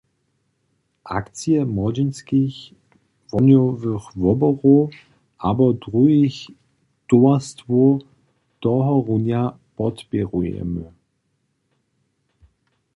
Akcije młodźinskich wohnjowych woborow abo druhich towarstwow tohorunja podpěrujemy.